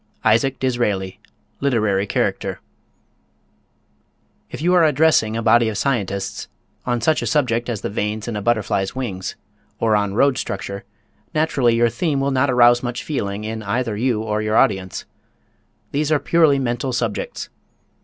ISAAC DISRAELI, Literary Character. If you are addressing a body of scientists on such a subject as the veins in a butterfly's wings, or on road structure, naturally your theme will not arouse much feeling in either you or your audience. These are purely mental subjects.